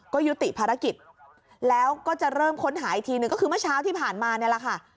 ก็ยุติภารกิจแล้วก็จะเริ่มค้นหาอีกทีหนึ่งก็คือเมื่อเช้าที่ผ่านมาเนี่ยแหละค่ะ